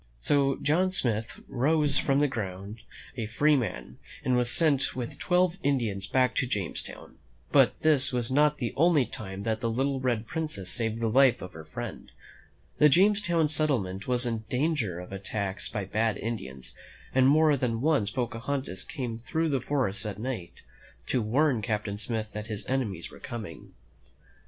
So John Smith rose from the ground a free man, and was sent with twelve Indians back to Jamestown. But this was not the only time that the little Red Princess saved the life of her friend. The Jamestown settlement was in dan ger of attacks by bad Indians, and more than once Pocahontas came through the great forest at night to warn Captain Smith that his enemies were coming.